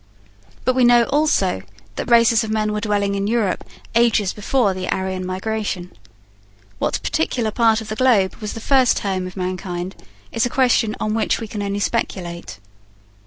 But we know also that races of men were dwelling in Europe ages before the Aryan migration. What particular part of the globe was the first home of mankind is a question on which we can only speculate.